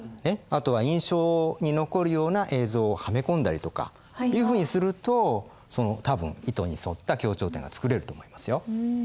ねっあとは印象に残るような映像をはめ込んだりとかいうふうにすると多分意図に沿った強調点が作れると思いますよ。